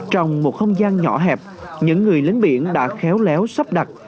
trong một không gian nhỏ hẹp những người lính biển đã khéo léo sắp đặt